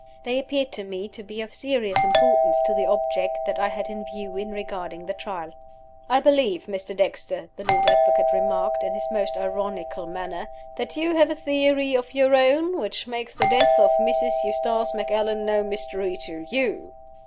They appeared to me to be of serious importance to the object that I had in view in reading the Trial. "I believe, Mr. Dexter," the Lord Advocate remarked, in his most ironical manner, "that you have a theory of your own, which makes the death of Mrs. Eustace Macallan no mystery to _you?